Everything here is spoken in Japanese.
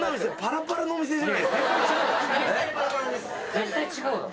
絶対違うだろ。